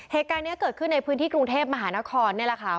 เหตุการณ์นี้เกิดขึ้นในพื้นที่กรุงเทพมหานครนี่แหละค่ะ